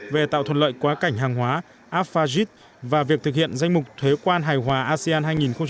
về tạo thuận lợi quá cảnh hàng hóa và việc thực hiện danh mục thuế quan hải hòa asean hai nghìn một mươi bảy